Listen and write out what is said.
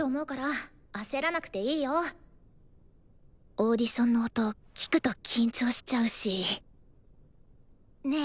オーディションの音聴くと緊張しちゃうしねえ